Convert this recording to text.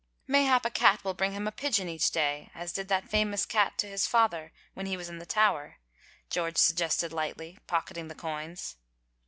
" Mayhap a cat will bring him a pigeon each day, as did that famous cat to his father when he was in the Tower," George suggested lightly, pocketing the coins.